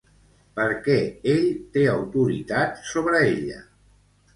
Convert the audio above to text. Per què ell té autoritat sobre ella?